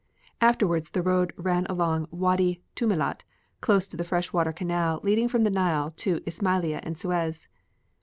Afterwards the road ran along Wâdi Tûmilât close to the fresh water canal leading from the Nile to Ismailia and Suez.